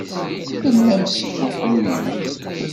Tellamt tesbuḥruyemt.